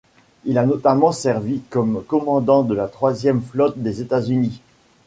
Il a notamment servi comme commandant de la Troisième flotte des États-Unis.